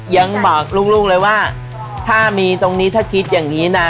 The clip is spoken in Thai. ยังบอกลูกเลยว่าถ้ามีตรงนี้ถ้าคิดอย่างนี้นะ